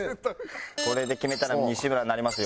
これで決めたら西村になれますよ。